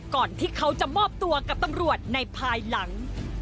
ก่อนที่เขาจะมอบตัวกับตำรวจในภายหลัง